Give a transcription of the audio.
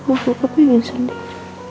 aku kepengen sendiri